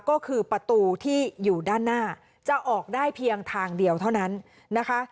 ก็คือประตูที่อยู่ด้านหน้าจะออกได้เพียงทางเดียวเท่านั้นนะคะ